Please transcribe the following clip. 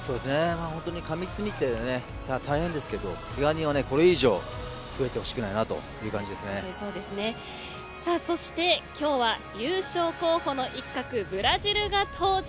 本当に過密日程で大変ですけどけが人はこれ以上増えて欲しくそして今日は優勝候補の一角ブラジルが登場。